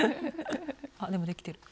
あでもできてる。